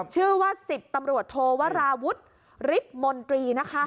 ชื่อว่าสิฟ์ตำรวจทโวลาวุฒิวริบมนตรี